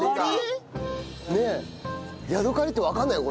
ねえヤドカリってわかんないよ